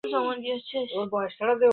আমাদের এখানে কে এসেছে?